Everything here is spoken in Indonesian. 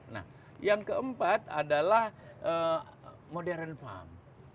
nah yang keempat adalah modern farm